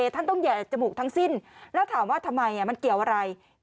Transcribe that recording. ท่านต้องแห่จมูกทั้งสิ้นแล้วถามว่าทำไมมันเกี่ยวอะไร